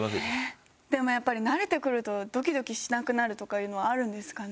でもやっぱり慣れてくるとドキドキしなくなるとかいうのはあるんですかね？